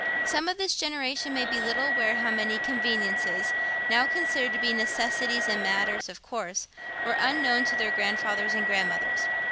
Some of this generation may be little aware how many conveniences, now considered to be necessaries and matters of course, were unknown to their grandfathers and grandmothers.